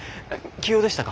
急用でしたか？